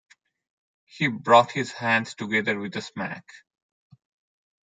He brought his hands together with a smack.